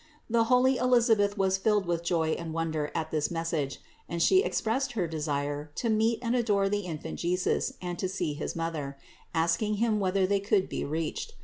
The holy Elisabeth was filled with joy and wonder at this message, and she ex pressed her desire to meet and adore the Infant Jesus, and to see his Mother; asking him whether they could be reached.